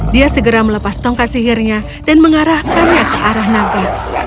dia segera melepas tongkat sihirnya dan mengarahkannya ke arah naga